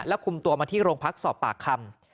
คุมตัวมาที่โรงพักสอบปากคำ